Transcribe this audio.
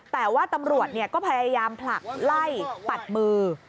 แต่ว่าตำรวจก็พยายามผลักไล่ปัดมือ